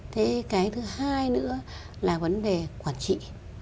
thế cái thứ hai nữa là vấn đề quản trị